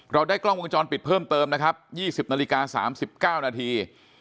ได้กล้องวงจรปิดเพิ่มเติมนะครับ๒๐นาฬิกา๓๙นาที